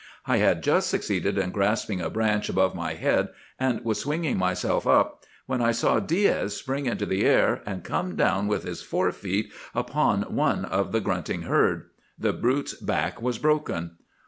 I had just succeeded in grasping a branch above my head, and was swinging myself up, when I saw Diaz spring into the air, and come down with his forefeet upon one of the grunting herd. The brute's back was broken.